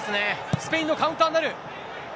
スペインのカウンターになる。